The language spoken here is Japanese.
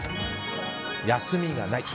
休みがない。